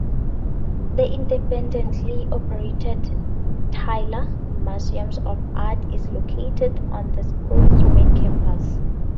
The independently operated Tyler Museum of Art is located on the school's main campus.